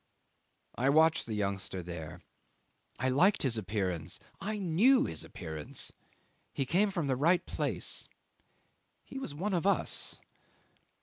I watched the youngster there. I liked his appearance; I knew his appearance; he came from the right place; he was one of us.